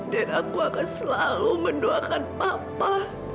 dan aku akan selalu mendoakan papa